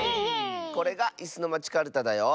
これが「いすのまちカルタ」だよ。